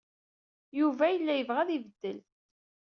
Yuba yella yebɣa ad ibeddel.